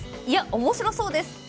いやおもしろそうです。